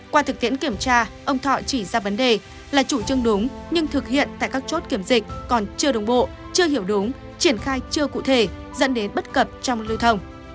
qua thực tiễn kiểm tra ông thọ chỉ ra vấn đề là chủ trương đúng nhưng thực hiện tại các chốt kiểm dịch còn chưa đồng bộ chưa hiểu đúng triển khai chưa cụ thể dẫn đến bất cập trong lưu thông